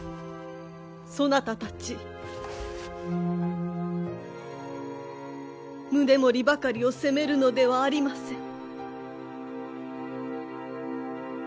そなたたち宗盛ばかりを責めるのではありません。